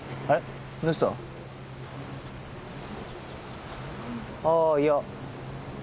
ああいや。